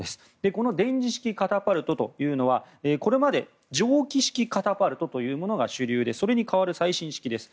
この電磁式カタパルトというのはこれまで蒸気式カタパルトというものが主流でそれに代わる最新式です。